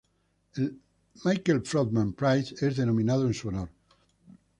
El Michael Fordham Prize es denominado en su honor.